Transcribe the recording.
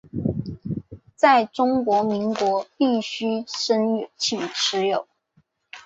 在中华民国必须申请持有。